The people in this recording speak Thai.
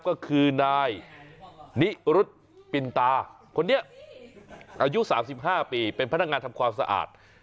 ก็คือนายนิรุธปินตาคนนี้อายุ๓๕ปีเป็นพนักงานทำความสะอาด